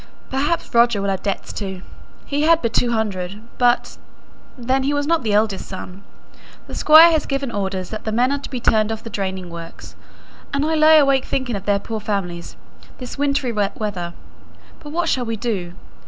Perhaps Roger will have debts too! He had but two hundred; but, then, he was not the eldest son. The Squire has given orders that the men are to be turned off the draining works; and I lie awake thinking of their poor families this wintry weather. But what shall we do?